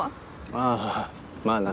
ああまぁな。